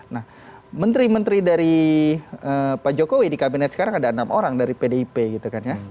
nah menteri menteri dari pak jokowi di kabinet sekarang ada enam orang dari pdip gitu kan ya